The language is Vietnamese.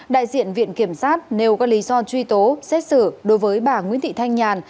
đại diện viện kiểm sát nêu các lý do truy tố xét xử đối với bà nguyễn thị thanh nhàn